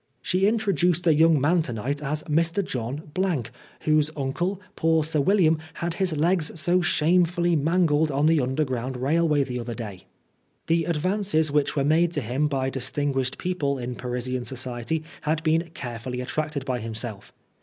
" She introduced a young man to night as Mr. John , whose uncle, poor Sir William, had his legs so shamefully mangled on the underground railway the other day." The advances which were made to him by distinguished people in Parisian society had been carefully attracted by himself.